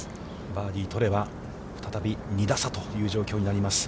バーディーを取れば、再び２打差という状況になります。